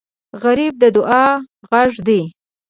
غریب د دعا غږ دی